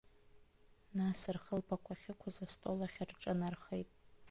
Нас рхылԥақәа ахьықәыз астол ахь рҿынархеит.